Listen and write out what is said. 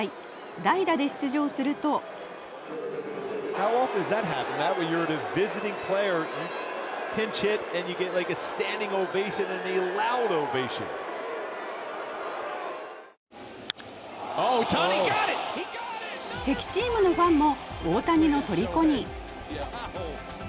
代打で出場すると敵チームのファンも大谷のとりこに。